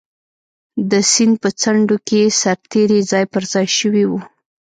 د سیند په څنډو کې سرتېري ځای پر ځای شوي وو.